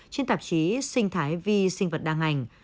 trên tạp chí sinh thái vi sinh vật đa ngành